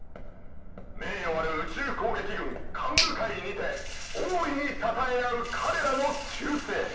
名誉ある宇宙攻撃軍幹部会にて大いにたたえ合う彼らの忠誠。